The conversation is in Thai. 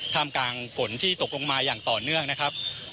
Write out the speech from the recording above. กลางฝนที่ตกลงมาอย่างต่อเนื่องนะครับ